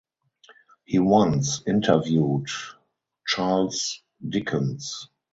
He once interviewed Charles Dickens.